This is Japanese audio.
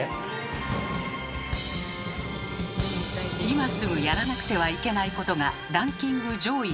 今すぐやらなくてはいけないことがランキング上位に。